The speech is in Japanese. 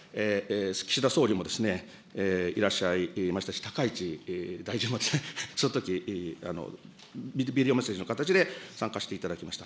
岸田総理もいらっしゃいましたし、高市大臣もそのとき、ビデオメッセージの形で参加していただきました。